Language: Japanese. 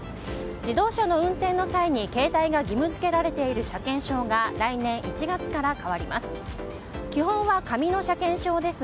自動車の運転の際に携帯が義務付けられている車検証が来年１月から変わります。